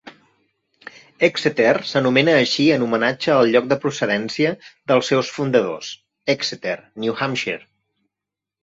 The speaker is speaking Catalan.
Exeter s'anomena així en homenatge al lloc de procedència dels seus fundadors, Exeter (New Hampshire).